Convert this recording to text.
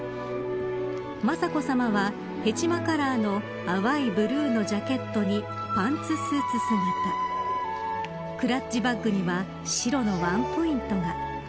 雅子さまはヘチマカラーの淡いブルーのジャケットにパンツスーツ姿クラッチバッグには白のワンポイントが。